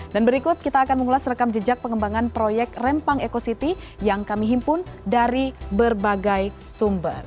dan berikut kita akan mengulas rekam jejak pengembangan proyek rempang eco city yang kami himpun dari berbagai sumber